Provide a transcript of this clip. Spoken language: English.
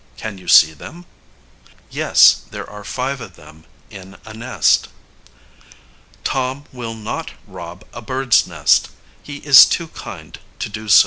Can you see them? Yes; there are five of them in a nest. Tom will not rob a bird's nest. He is too kind to do so.